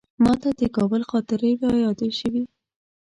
ماته د کابل خاطرې رایادې شوې.